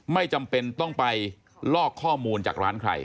ไม่จำเป็นต้องไปลอกข้อมูลจากร้านใคร